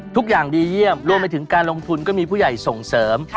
ทุกอย่างดีเยี่ยมรวมไปถึงการลงทุนก็มีผู้ใหญ่ส่งเสริม